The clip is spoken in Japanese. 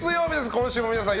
今週も皆さん